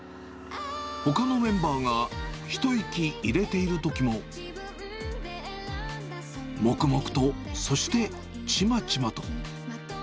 ほかのメンバーが一息入れているときも、もくもくと、そして、ちまちまと。